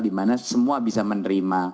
di mana semua bisa mendapatkan pembayaran spp